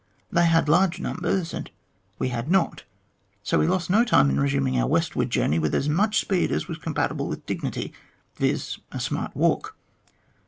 They had large numbers, and we had not, so we lost no time in resuming our westward journey with as much speed as was compatible with dignity, viz., a smart walk.